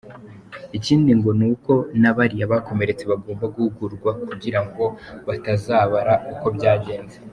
Ikindi ngo ni uko na bariya bakomeretse bagomba guhuhurwa kugira ngo batazabara uko byagenze.